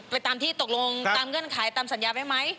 ตามที่ตกลงตามเงื่อนไขตามสัญญาไว้ไหม